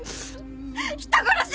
人殺し！